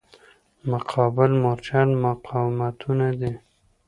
مقابل مورچل مقاومتونه دي.